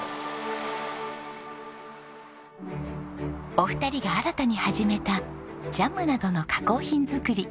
お二人が新たに始めたジャムなどの加工品作り。